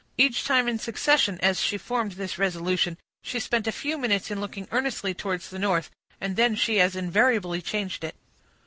Each time in succession, as she formed this resolution, she spent a few minutes in looking earnestly towards the north, and then she as invariably changed it.